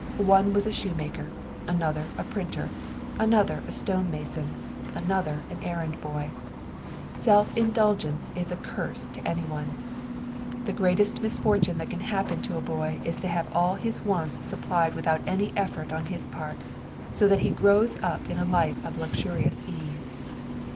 One was a shoemaker, another a printer, another a stonemason, another an errand boy. Self indulgence is a curse to anyone. The greatest misfortune that can happen to a boy is to have all his wants supplied without any effort on his part, so that he grows up in a life of luxurious ease.